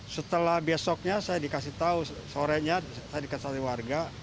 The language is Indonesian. setelah besoknya saya dikasih tahu sorenya saya dikasih warga